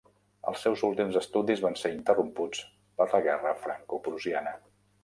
Els seus últims estudis van ser interromputs per la Guerra Franco-Prusiana.